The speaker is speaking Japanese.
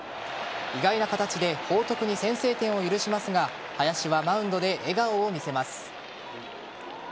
意外な形で報徳に先制点を許しますが林はマウンドで笑顔を見せます。